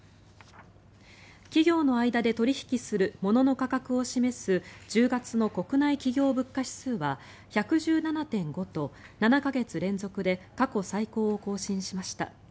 企業の間で取引するものの価格を示す１０月の国内企業物価指数は１１７．５と７か月連続で過去最高を更新しました。